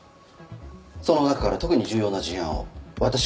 その中から特に重要な事案を私が選んでいます。